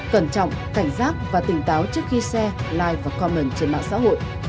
cẩn trọng cảnh giác và tỉnh táo trước khi share like và comment trên mạng xã hội